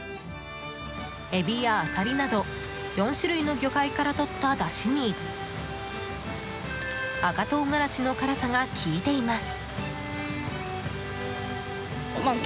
エビやアサリなど４種類の魚介からとっただしに赤唐辛子の辛さが効いています。